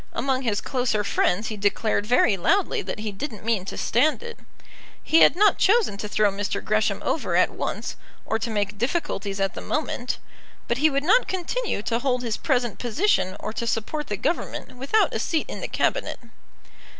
Among his closer friends he declared very loudly that he didn't mean to stand it. He had not chosen to throw Mr. Gresham over at once, or to make difficulties at the moment; but he would not continue to hold his present position or to support the Government without a seat in the Cabinet.